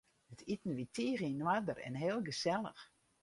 It iten wie tige yn oarder en heel gesellich.